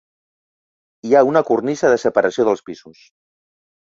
Hi ha una cornisa de separació dels pisos.